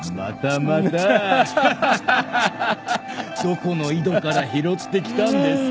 どこの井戸から拾ってきたんですか。